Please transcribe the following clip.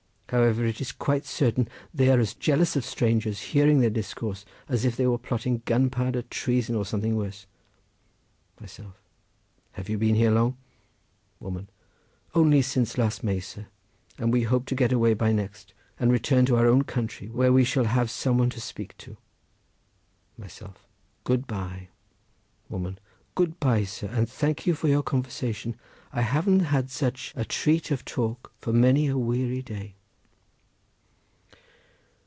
However, it is quite certain they are as jealous of strangers hearing their discourse as if they were plotting gunpowder treason, or something worse. Myself.—Have you been long here? Woman.—Only since last May, sir! and we hope to get away by next, and return to our own country, where we shall have some one to speak to. Myself.—Good bye! Woman.—Good bye, sir, and thank you for your conversation; I haven't had such a treat of talk for many a weary day.